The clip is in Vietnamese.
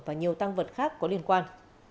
và nhiều tăng vật khác có liên quan